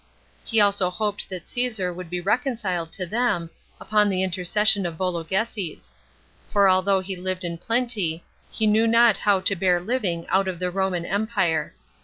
He also hoped that Caesar would be reconciled to them, upon the intercession of Vologeses; for although he lived in plenty, he knew not how to bear living out of the Roman empire.